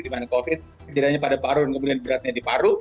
di mana covid terjadinya pada paru kemudian beratnya di paru